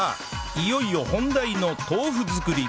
いよいよ本題の豆腐作り